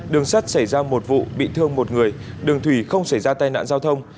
đường sắt xảy ra một vụ bị thương một người đường thủy không xảy ra tai nạn giao thông